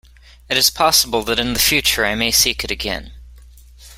It is possible that in the future I may seek it again.